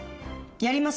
やります